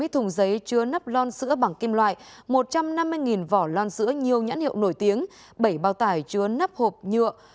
bảy mươi thùng giấy chứa nắp lon sữa bằng kim loại một trăm năm mươi vỏ lon sữa nhiều nhãn hiệu nổi tiếng bảy bao tải chứa nắp hộp nhựa